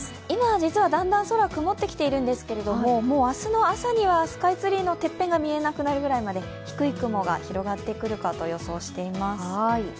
今、実はだんだん空曇ってきているんですけれどももう明日の朝にはスカイツリーのてっぺんが見えなくなるくらいまで低い雲が広がってくるかと予想しています。